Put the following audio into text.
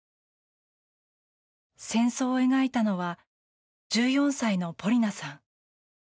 戦争を描いたのは１４歳のポリナさん。